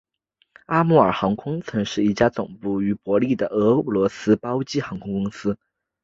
阿穆尔航空曾是一家总部位于伯力的俄罗斯包机航空公司。